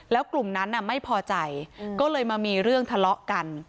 แล้วกลุ่มนั้นไม่พอใจก็เลยมามีเรื่องทะเลาะกัน